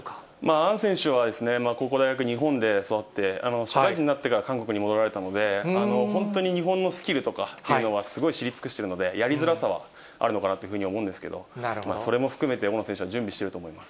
アン選手は高校、大学、日本で育って、社会人になってから韓国に戻られたので、本当に日本のスキルとかっていうのをすごい知り尽くしているので、やりづらさはあるのかなっていうふうに思うんですけれども、それも含めて、大野選手は準備していると思います。